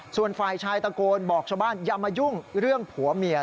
ส่วนฝ่ายชายตะโกนบอกชาวบ้านอย่ามายุ่งเรื่องผัวเมีย